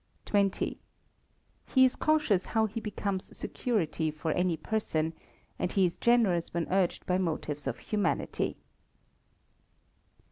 xx. He is cautious how he becomes security for any person; and is generous when urged by motives of humanity.